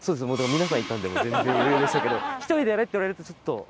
皆さんいたので全然余裕でしたけど１人でやれって言われるとちょっと。